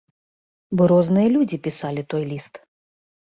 Бы розныя людзі пісалі той ліст.